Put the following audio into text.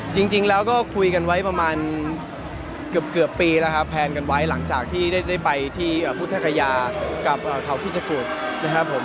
จริงแล้วก็คุยกันไว้ประมาณเกือบปีแล้วครับแพลนกันไว้หลังจากที่ได้ไปที่พุทธคยากับเขาพุทธกุฎนะครับผม